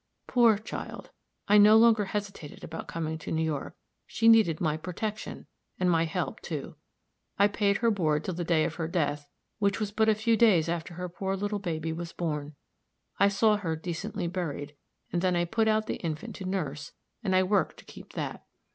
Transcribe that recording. Poor child! I no longer hesitated about coming to New York. She needed my protection, and my help, too. I paid her board till the day of her death, which was but a few days after her poor little baby was born; I saw her decently buried, and then I put out the infant to nurse, and I worked to keep that.